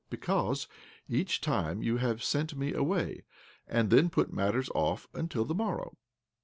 " Because each time you have sent me away, and then put matters off until the morrow."